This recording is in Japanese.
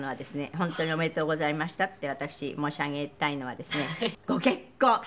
本当におめでとうございましたって私申し上げたいのはですねご結婚！